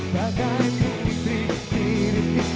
bagai putri sial b decks